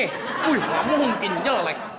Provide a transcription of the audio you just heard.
wuih gak mungkin jelek